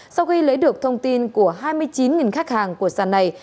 sau khi lấy được thông tin của hai mươi chín khách hàng của sàn này